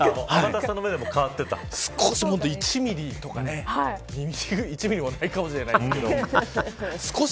１ミリとか２ミリくらい１ミリもないかもしれないですけど。